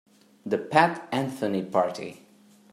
The Pat Anthony Party.